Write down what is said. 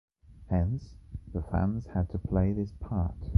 Hence, the fans had to play this part.